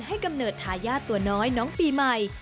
กำเนิดทายาทตัวน้อยน้องปีใหม่